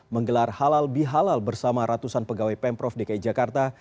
menggelar halal bihalal bersama ratusan pegawai pemprov dki jakarta